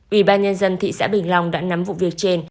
ủy ban nhân dân thị xã bình long đã nắm vụ việc trên